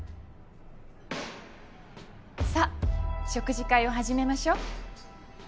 さあ食事会を始めましょ。